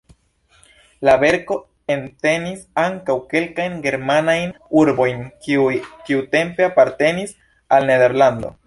La verko entenis ankaŭ kelkajn germanajn urbojn, kiuj tiutempe apartenis al Nederlando.